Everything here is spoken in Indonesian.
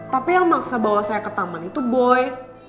tapi yang maksa bawa saya ke taman itu boleh